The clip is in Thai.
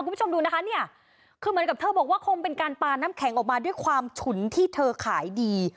คุณผู้ชมดูนะคะเนี่ยคือเหมือนกับเธอบอกว่าคงเป็นการปลาน้ำแข็งออกมาด้วยความฉุนที่เธอขายดี